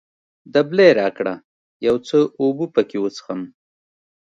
دبلی راکړه، یو څه اوبه پکښې وڅښم.